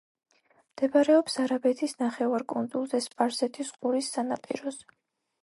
მდებარეობს არაბეთის ნახევარკუნძულზე, სპარსეთის ყურის სანაპიროზე.